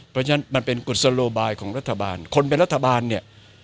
เพราะฉะนั้นมันเป็นกุศโลบายของรัฐบาลคนเป็นรัฐบาลเนี่ย